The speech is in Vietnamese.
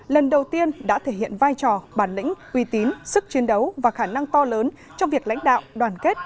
lần đầu tiên đã thể hiện vai trò bản lĩnh uy tín sức chiến đấu và khả năng to lớn trong việc lãnh đạo đoàn kết